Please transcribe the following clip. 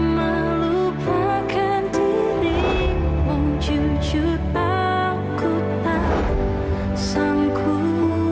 melupakan dirimu jujur aku tak sanggup